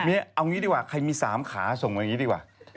เอางี้ดีกว่าใครมี๓ขาส่งอย่างนี้ดีกว่า